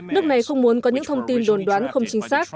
nước này không muốn có những thông tin đồn đoán không chính xác